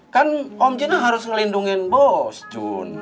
kan om jina harus ngelindungin bos jun